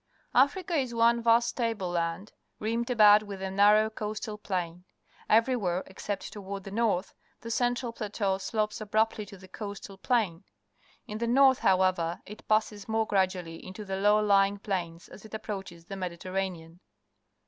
— Africa is one vast table land, rimmed about wath a narrow coastal plain. E^'erywhere, except toward the north, the central plateau slopes abruptty to the coastal plain. In the north, however, it passes more graduallj' into low hing plains as it approaches the ^Mediterranean.